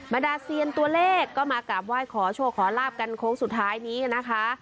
ดาเซียนตัวเลขก็มากราบไหว้ขอโชคขอลาบกันโค้งสุดท้ายนี้นะคะ